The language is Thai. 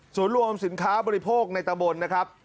ส่วนรวมสินค้าบริโภคในตะบนนะครับ